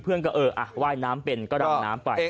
เพื่อนก็เอ๋ออ่ะไหว้น้ำเพ็นก็ดำน้ำไป